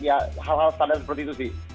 ya hal hal standar seperti itu sih